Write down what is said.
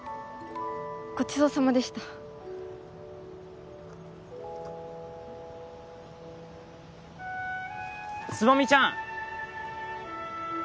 ごちそうさまでした蕾未ちゃん！